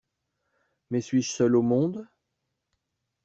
Mais suis-je seul au monde?